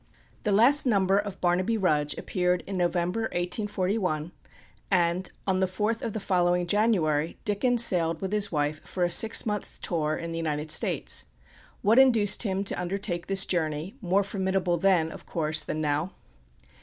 The last number of "Barnaby Rudge" appeared in November, 1841, and, on the 4th of the following January Dickens sailed with his wife for a six months' tour in the United States. What induced him to undertake this journey, more formidable then, of course, than now?